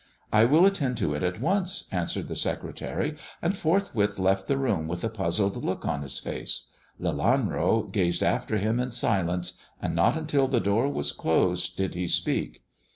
" I will attend to it at once," answered the secretary, and forthwith left the room, with a puzzled look on his face. Lelanro gazed after him in silence, and not until the door was closed did he speak.